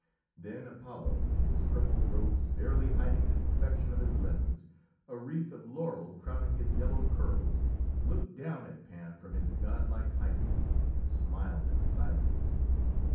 Then Apollo, his purple robes barely hiding the perfection of his limbs, a wreath of laurel crowning his yellow curls, looked down at Pan from his godlike height and smiled in silence.